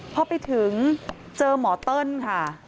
พอไปถึงเจอหมอเติ้ลค่ะ